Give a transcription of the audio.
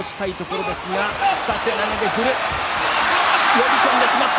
呼び込んでしまった。